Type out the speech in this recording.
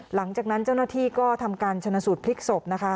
หลังจากนั้นเจ้าหน้าที่ก็ทำการชนะสูตรพลิกศพนะคะ